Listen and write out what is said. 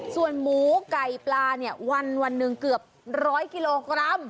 ส่วนหมูไก่ปลาเนี่ยวันหนึ่งเกือบร้อยกิโลกรัม